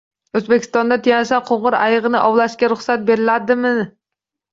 O‘zbekistonda Tyanshan qo‘ng‘ir ayig‘ini ovlashga ruxsat beriladimi?ng